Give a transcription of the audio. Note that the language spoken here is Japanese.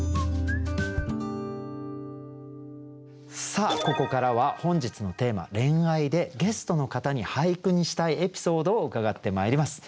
さあここからは本日のテーマ「恋愛」でゲストの方に俳句にしたいエピソードを伺ってまいります。